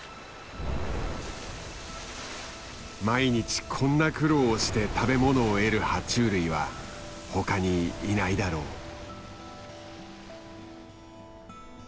毎日こんな苦労をして食べものを得るは虫類は他にいないだろう。